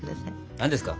何ですか？